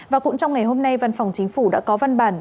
và cũng trong ngày hôm nay văn phòng chính phủ đã có văn bản